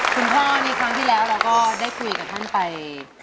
คุณพ่อนี่ครั้งที่แล้วเราก็ได้คุยกับท่านไป